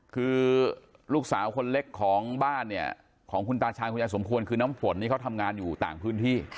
คือลูกสาวคนเล็กของบ้านเนี่ยของคุณตาชาญคุณยายสมควรคือน้ำฝนนี่เขาทำงานอยู่ต่างพื้นที่